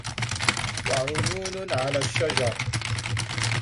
وعيون على الشجر